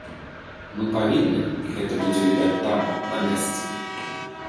Мы павінны, і гэта будзе відаць там, на месцы.